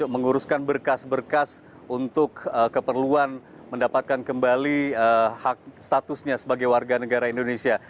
menguruskan berkas berkas untuk keperluan mendapatkan kembali hak statusnya sebagai warga negara indonesia